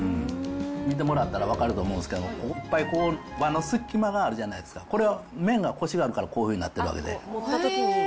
見てもらったら分かると思うんですけど、この隙間があるじゃないですか、これは麺のこしがあるから、こうなっているわけで。